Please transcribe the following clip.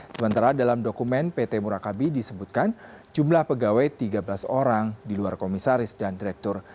sementara dalam dokumen pt murakabi disebutkan jumlah pegawai tiga belas orang di luar komisaris dan direktur